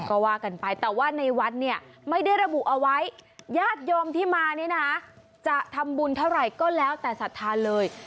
ก็ว่ากันไปแต่ว่าในวัดเนี่ยไม่ได้ระบุเอาไว้ญาติโยมที่มานี่นะจะทำบุญเท่าไหร่ก็แล้วแต่ศรัทธาเลย